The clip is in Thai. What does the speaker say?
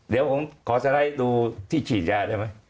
เดี๋ยวขอสะงัดดูที่ฉีดยาได้มั้ย